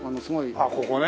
あっここね。